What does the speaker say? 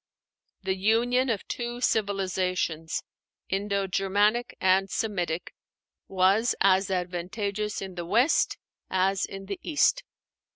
The union of two civilizations Indo Germanic and Semitic was as advantageous in the West as in the East.